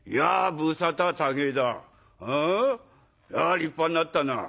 立派になったな。